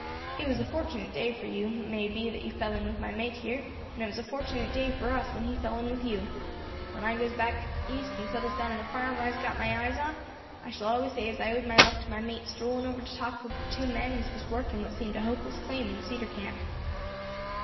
It was a fortunate day for you may be that you fell in with my mate here, and it was a fortunate day for us when he fell in with you. When I goes back east and settles down on a farm I has got my eyes on, I shall always say as I owed my luck to my mate strolling over to talk to the two men as was working what seemed a hopeless claim in Cedar Camp.